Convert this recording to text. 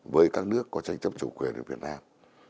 với các nước có tranh chấp chủ quyền ở việt nam